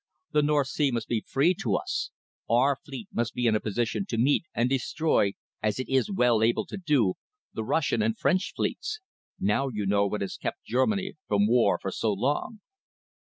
The North Sea must be free to us. Our fleet must be in a position to meet and destroy, as it is well able to do, the Russian and the French fleets. Now you know what has kept Germany from war for so long."